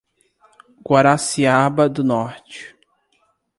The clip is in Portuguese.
Guaraciaba do Norte